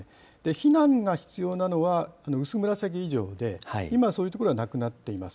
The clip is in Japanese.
避難が必要なのはこの薄紫以上で、今、そういう所はなくなっています。